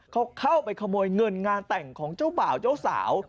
เขาเข้าไปขโมยเงินงานแต่งของเจ้าบ่าวเจ้าสาว